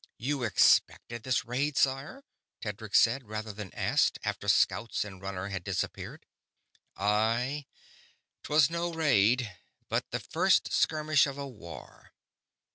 "You expected this raid, sire," Tedric said, rather than asked, after scouts and runner had disappeared. "Aye. 'Twas no raid, but the first skirmish of a war.